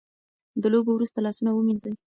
د لوبو وروسته لاسونه ومینځئ.